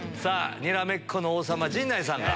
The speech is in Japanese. にらめっこの王様陣内さんが。